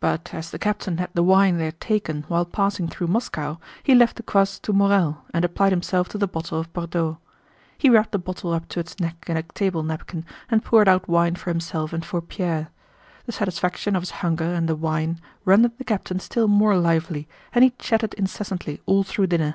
But as the captain had the wine they had taken while passing through Moscow, he left the kvass to Morel and applied himself to the bottle of Bordeaux. He wrapped the bottle up to its neck in a table napkin and poured out wine for himself and for Pierre. The satisfaction of his hunger and the wine rendered the captain still more lively and he chatted incessantly all through dinner.